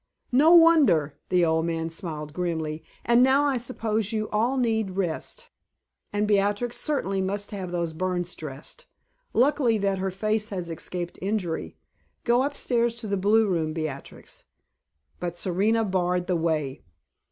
"No wonder!" the old man smiled grimly. "And now I suppose you all need rest; and Beatrix certainly must have those burns dressed. Lucky that her face has escaped injury. Go upstairs to the blue room, Beatrix." But Serena barred the way.